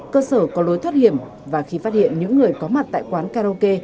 cơ sở có lối thoát hiểm và khi phát hiện những người có mặt tại quán karaoke